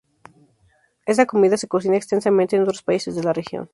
Esta comida se cocina extensamente en otros países de la región.